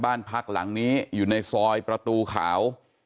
บ้านพักหลังนี้อยู่ในซอยประตูขาว